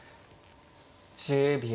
１０秒。